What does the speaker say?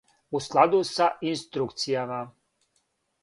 У складу са инструкцијама.